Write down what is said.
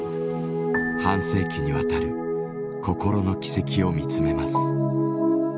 半世紀にわたる心の軌跡を見つめます。